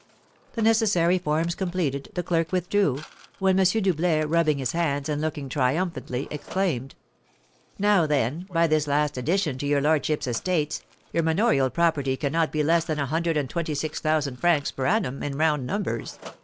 The necessary forms completed, the clerk withdrew, when M. Doublet, rubbing his hands, and looking triumphantly, exclaimed: "Now, then, by this last addition to your lordship's estates, your manorial property cannot be less than a hundred and twenty six thousand francs per annum, in round numbers.